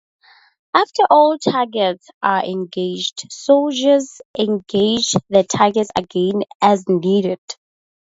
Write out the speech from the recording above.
After all targets are engaged, soldiers engage the targets again as needed.